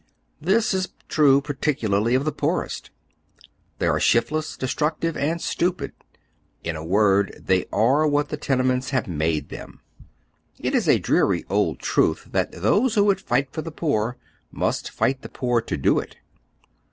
This is true particularly of the poorest, Tliey are shiftless, destruc tive, and stupid ; in a word, they are what the tene ments have made them. It is a dreary old truth that tliose wlio would fight for the poor must fight the poor to do it.